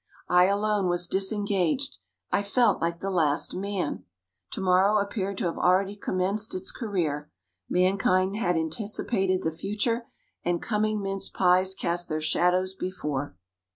I alone was disengaged I felt like the Last Man! To morrow appeared to have already commenced its career; mankind had anticipated the future; "and coming mince pies cast their shadows before."